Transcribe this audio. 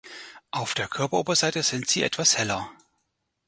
Auf der Körperoberseite sind sie etwas heller.